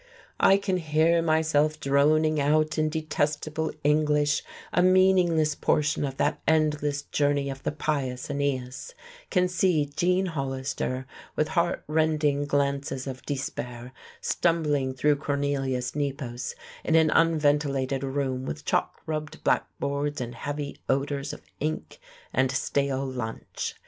I can hear myself droning out in detestable English a meaningless portion of that endless journey of the pious AEneas; can see Gene Hollister, with heart rending glances of despair, stumbling through Cornelius Nepos in an unventilated room with chalk rubbed blackboards and heavy odours of ink and stale lunch.